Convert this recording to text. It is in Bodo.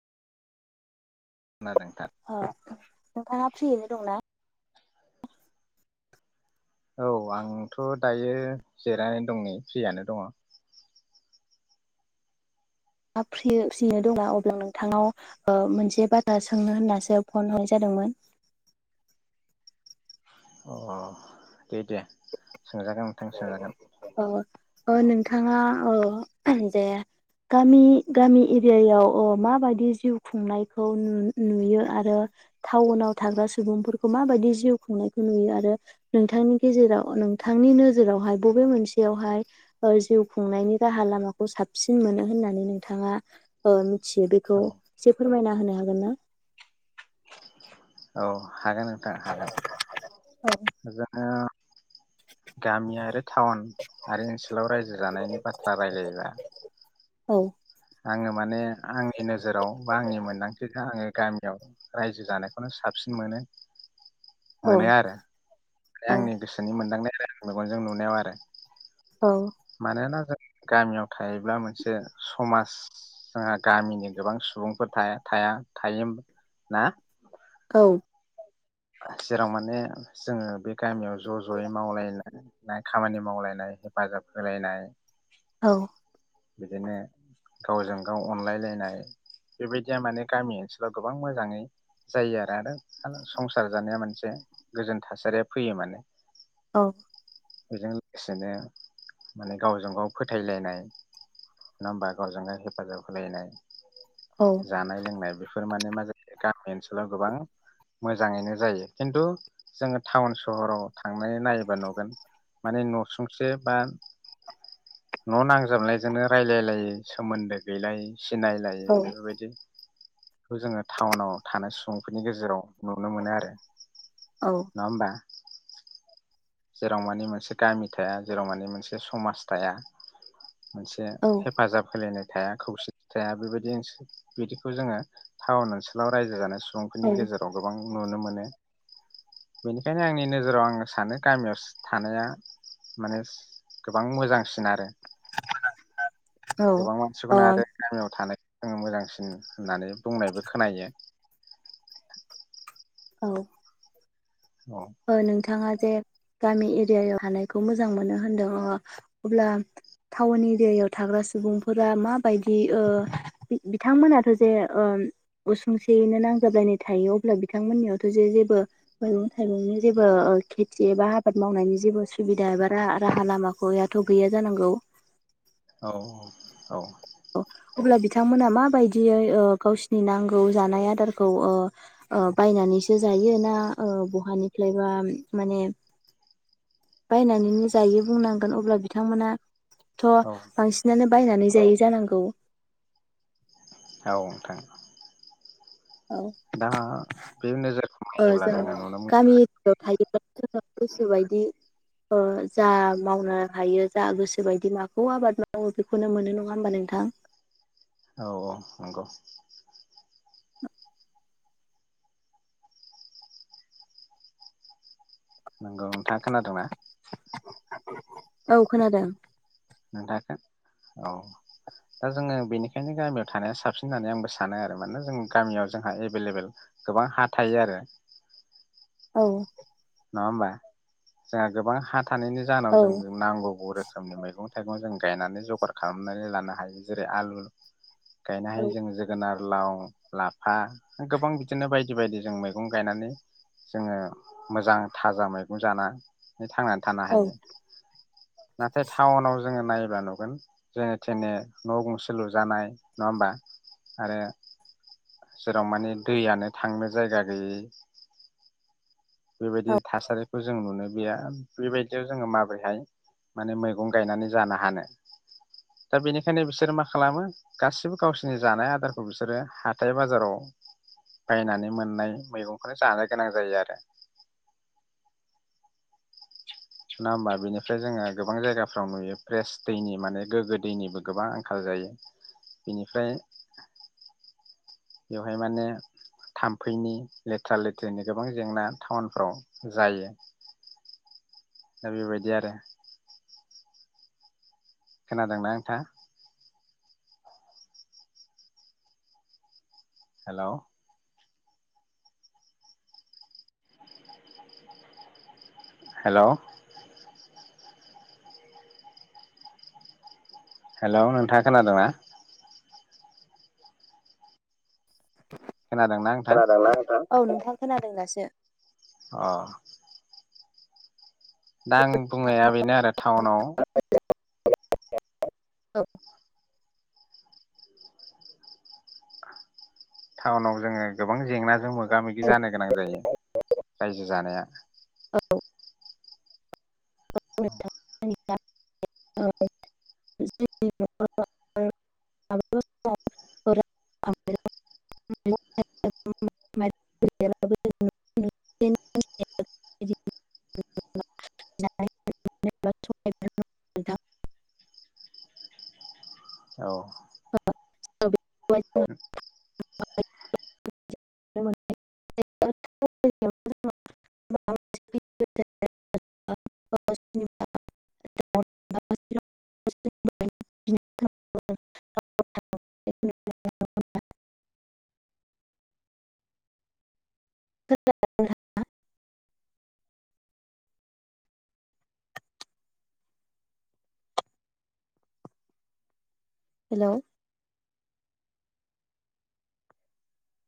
खोनादों नोंथां अ नोंथाङा फ्रियैनो दंना औ आंथ दायो जिरनानै दं नै फ्रियानो दङ मा फ्रियो-फ्रिनो दंब्ला अब्ला नोंथांनाव ओ मोनसे बाथ्रा सोंनो होननासो फन हरनाय जादोंमोन अ दे दे सोंजागोन नोंथां सोंजागोन ओ ओ नोंथाङा ओ अ जे गामि गामि एरियायाव अ माबायदि जिउ खुंनायखौ नु नुयो आरो टाउनाव थाग्रा सुबुंफोरखौ माबायदि जिउ खुंनायखौ नुयो आरो नोंथांनि गेजेराव नोंथां नोजोर जेरावहाय बबे मोनसेयावहाय ओ जिउ खुंनायनि राहा लामाखौ साबसिन मोनो होननानै नोंथाङा ओ मि मिथियो बेखौ औ एसे फोरमायना होनाय हागोना? औ हागोन नोंथां हागोन जोंङो गामि आरो टाउन आरो ओनसोलाव रायजो जानायनि बाथ्रा रायलायोब्ला औ आङो माने आंनि नोजोराव बा आंनि मोनदांथिजों आङो गामियाव रायजो जानायखौनो साबसिन मोनो‌। मोनो औ आरो बे औ आंनि गोसोनि मोनदांनाय। बे आंनि मेगनजों नुनायाव आरो औ मानोना जों गामियाव थायोब्ला मोनसे समाज जोंहा गामिनि गोबां सुबुंफोर थाया-थाया-थायोम ना। औ औ जेराव माने जोङो बे गामियाव ज जयै मावला नाय खामानि मावलायनाय हेफाजाब होलायनाय। औ बिदिनो गावजों गाव अनलाय लायनाय बेबायदिया माने गामि ओनसोलाव गोबां मोजाङै जायो आरो आरो सु संसार जानाया मोनसे गोजोन थासारिया फैयो माने। औ बेजों लोगोसेनो माने गावजों गाव फोथायलायनाय नङा होमबा गावजों गाव हेफाजाब होलायनाय। औ जानाय लोंनाय बेफोर माने मा जायो गामि ओनसोलाव गोबां मोजाङैनो जायो खिन्थु जोङो टाउन सहराव थांनाय नायोबा नुगोन माने नसुंसे बा न नांजाबनायजोंनो रायजलायलायै सोमोन्दो गैलायै। सिनायलायो बेफोरबायदि। बेखौ जोङो टाउनाव थानाय सुबुंफोरनि गेजेराव नुनो मोनो आरो औ नंङाहोनबा। जेराव माने मोनसे गामि थाया जेराव माने मोनसे समाज थाया। मोनसे हेफाजाब होलायनाय थाया खौसेथि थाया बेबायदि बिदिखौ जोङो टाउन ओनसोलाव रायजो जानाय सु सुबुंफोरनि गेजेराव गोबां नुनो मोनो बिनिखायनो आंनि नोजोराव आङो सानो। गामियास थानाया मानेस गोबां मोजांसिन आरो। [unintelligible] गोबां मानसिफोरना आरो गामियाव थानाय जोंयो मोजांसिन होननानै बुंनायबो खोनायो। औ। औ ओ नोंथाङा जे गामि एरियायाव थानायखौ मोजां मोनो होनदों ओ अब्ला टाउन एरियायाव थाग्रा सुबुंफोरा माबायदि ओ बि-बिथांमोनाथ जे ओम उसुंसेयैनो नांजाबलायनाय थायो अब्ला बिथांमोननियावथ जे-जेबो ओम। थाइगंनि जेबो ओ खेथि एबा हाबाद मावनायनि जेबो सुबिदा एबा रा-राहा लामाथ गैया जानांगौ। औ औ। अ अब्ला बिथांमोना माबायदियै ओ गावसिनि नांगौ जानाय आदारखौ ओ-ओ बायनानैसो जायो ना ओ बहानिफ्लायबा माने बायनानैनो जायो बुंनांगोन अब्ला बिथांमोना। थ औ बांसिनानो बायनानै औ जायो जा। औ। औ नोंथां। औ दा बे नोजोरखौ ओ नायोब्ला जों जोङो नुनो गामि [unintelligible] गोसोबायदि ओ जा मावनो हायो जा गोसोबायदि माखौ आबाद मावो बेखौनो मोनो नङा होमबा नोंथां। औ औ नंगौ। नंगौ नोंथाङा खोनादोंना। औ खोनादों। नोंदागोन औ दा जोङो बेनिखायनो गामियाव थानाया साबसिन होननानै आंबो सानो आरो मानोना जों गामियाव जोंहा एबेलेबेल गोबां हा थायो आरो। औ। नङा होमबा जोंहा गोबां हा। थानायनि जाहोनाव औ जों-जों नांगौ रोखोमनि मैगं थाइगंआ जों गायनानै जगार खालामनानै लानो हायो जेरै आलु। गायनो औ हायो जों जोगोनार। लाव लाफा गोबां बिदिनो बायदि बायदि जों मैगं गायनानै जोङो। मोजां थाजा मैगं जाना। नै थांनानै थानो हायो नाथाय टाउनाव जोङो नाय। जानुगोन जेनेथेने न गंसे लुजानाय नङा होमबा आरो जेराव माने दैआनो थांनो जायगा गैयै। बिबायदि औ थासारि। हो जों नुनो गैया बेबायदियाव जोङो माबोरैहाय माने मैगं गायनानै जानो हानो दा बेनिखायनो बिसोरो मा खालामो गासिबो गावसोरनि जानाय आदारखौ बिसोरो हाथाय बाजाराव बायनानै मोननाय मैगंखौनो जानो गोनां जायो आरो। थिफुना होमबा बेनिफ्राय जोङो गोबां जायगाफ्राव नुयो फ्रेस दैनि माने गोग्गो दैनिबो गोबां आंखाल जायो बेनिफ्राय। बेवहाय माने थाम्फैनि लेथ्रा लेथ्रिनि गोबां जेंना टाउनफ्राव जायो दा बेबायदि आरो। खोनादोंना नोंथां। हेलौ। हेलौ। हेलौ नोंथाङा खोनादोंना। खोनादोंना नोंथां खोनादोंना नोंथां औ नोंथां। खोनादों दासो। अ। दा आं बुंनाया बेनो आरो टाउनाव। [unintelligible] औ टाउनाव जोङो गोबां जेंनाजों मोगा मोगि जानो गोनां जायो रायजो जानाया। औ औ [unintelligible] [inaudible] बिदि [unintelligible] औ। [unintelligible] [unintelligible] [unintelligible] [unintelligible] हेलौ